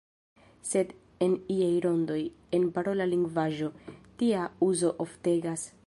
Sed en iaj rondoj, en parola lingvaĵo, tia uzo oftegas.